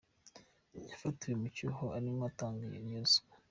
Yafatiwe mu cyuho arimo atanga iyo ruswa.